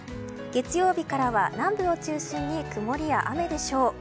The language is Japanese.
月曜日からは南部を中心に曇りや雨でしょう。